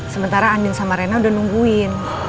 sementara andin sama rena udah nungguin